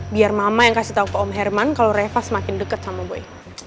biar mama yang kasih tau ke om herman kalo reva semakin deket sama boy